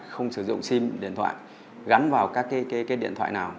không sử dụng sim điện thoại gắn vào các cái điện thoại nào